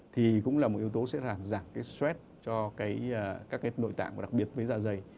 thì cũng là một yếu tố sẽ giảm cái stress cho các cái nội tạng đặc biệt với dạ dày